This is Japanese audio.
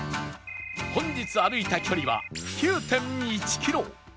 本日歩いた距離は ９．１ キロ